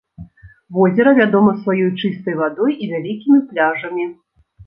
Возера вядома сваёй чыстай вадой і вялікімі пляжамі.